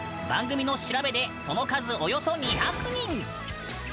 番組の調べでその数およそ２００人！